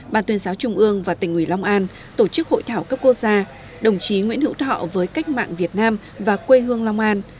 ban tuyên giáo trung ương và tỉnh ủy long an tổ chức hội thảo cấp quốc gia đồng chí nguyễn hữu thọ với cách mạng việt nam và quê hương long an